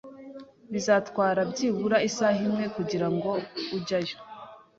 Bizatwara byibura isaha imwe kugirango ujyayo.